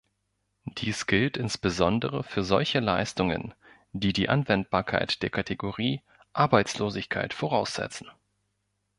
Dies gilt insbesondere für solche Leistungen, die die Anwendbarkeit der Kategorie Arbeitslosigkeit voraussetzen.